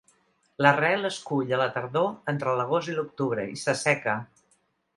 L'arrel es cull a la tardor entre l'agost i l'octubre i s'asseca.